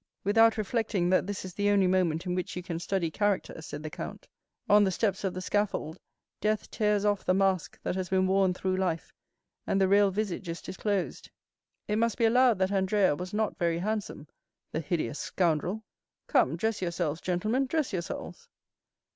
20175m "Without reflecting that this is the only moment in which you can study character," said the count; "on the steps of the scaffold death tears off the mask that has been worn through life, and the real visage is disclosed. It must be allowed that Andrea was not very handsome, the hideous scoundrel! Come, dress yourselves, gentlemen, dress yourselves."